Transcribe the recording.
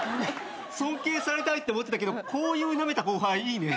尊敬されたいって思ってたけどこういうなめた後輩いいね。